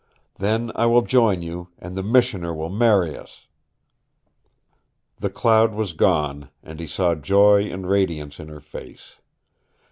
Then I will join you, and the Missioner will marry us " The cloud was gone, and he saw joy and radiance in her face.